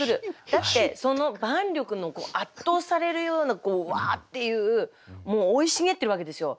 だってその万緑の圧倒されるようなこうワーッていうもう生い茂ってるわけですよ。